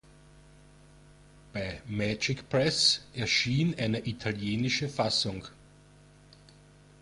Bei Magic Press erschien eine italienische Fassung.